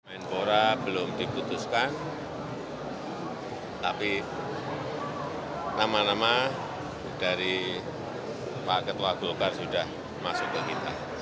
menpora belum diputuskan tapi nama nama dari pak ketua golkar sudah masuk ke kita